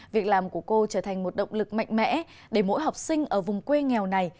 việc làm của cô trở thành một động lực mạnh mẽ để mỗi học sinh ở vùng quê nghèo này